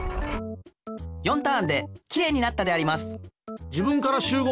４ターンできれいになったであります。